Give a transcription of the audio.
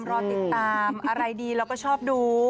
รอติดตามอะไรดีเราก็ชอบดู